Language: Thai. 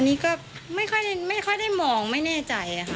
อันนี้ก็ไม่ค่อยได้ไม่ค่อยได้มองไม่แน่ใจนะคะ